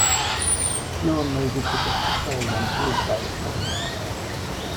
Fewer movie tickets were sold on Tuesdays.